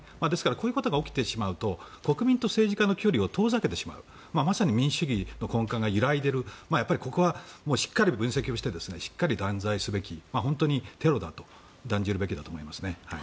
こういうことが起きてしまうと国民と政治家の距離を遠ざけてしまうまさに民主主義の根幹が揺らいでいるここはしっかり分析をしてしっかり断罪すべき本当にテロだと断じるべきだと思います。